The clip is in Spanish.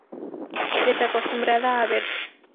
Desacostumbrada a verte